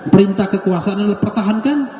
perintah kekuasaan yang dipertahankan